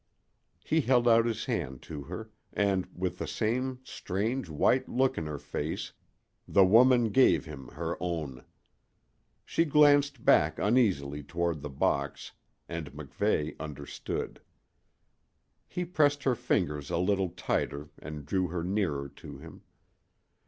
He held out his hand to her; and, with the same strange, white look in her face, the woman gave him her own. She glanced back uneasily toward the box, and MacVeigh understood. He pressed her fingers a little tighter and drew her nearer to him.